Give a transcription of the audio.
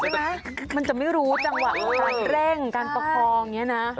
ใช่ไหมมันจะไม่รู้จังหวะหัดเร่งการประคองอย่างนี้นะ